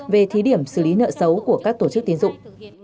về thí điểm xử lý nợ xấu của các tổ chức tiến dụng